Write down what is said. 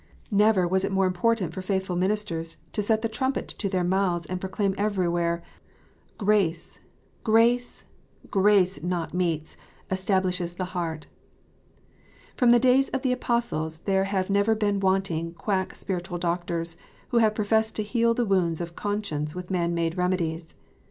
Never was it so important for faithful ministers to set the trumpet to their mouths and proclaim everywhere, " Grace, grace, grace, not meats, establishes the heart." From the days of the Apostles there have never been wanting quack spiritual doctors, who have professed to heal the wounds of conscience with man made remedies.